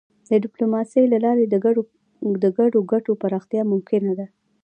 د ډيپلوماسی له لارې د ګډو ګټو پراختیا ممکنه ده.